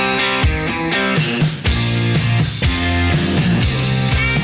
ผมเริ่มต้นที่กูเตี๋ยวต้มยำมันกุ้งไม่น้ำ